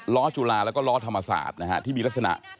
ล้อจุฬาและล้อธรรมศาสตร์ที่มีลักษณะ